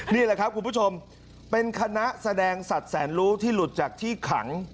นี่แหละครับคุณผู้ชมเป็นคณะแสดงสัตว์แสนรู้ที่หลุดจากที่ขัง